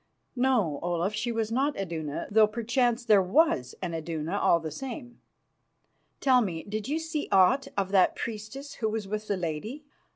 "No, Olaf, she was not Iduna, though perchance there was an Iduna, all the same. Tell me, did you see aught of that priestess who was with the lady?"